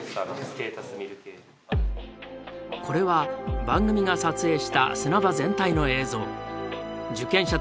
これは番組が撮影した砂場全体の映像。